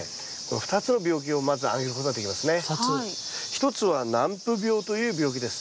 一つは軟腐病という病気です。